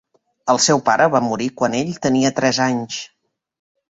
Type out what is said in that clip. El seu pare va morir quan ell tenia tres anys.